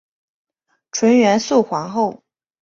纯元肃皇后。